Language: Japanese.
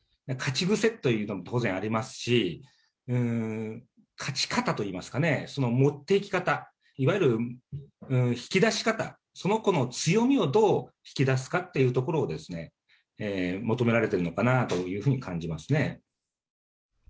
勝ち癖というのも当然ありますし、勝ち方といいますかね、その持っていき方、いわゆる引き出し方、その子の強みをどう引き出すかというところを、求められているのかなというふうに感じますね。